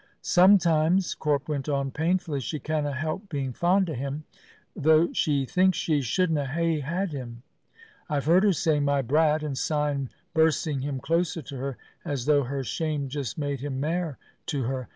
"Sometimes," Corp went on painfully, "she canna help being fond o' him, though she thinks she shouldna hae had him. I've heard her saying, 'My brat!' and syne birsing him closer to her, as though her shame just made him mair to her.